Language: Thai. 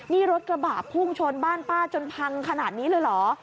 นี่รถกระบะพุ่งชนบ้านป้าจนพังขนาดนี้เลยเหรอ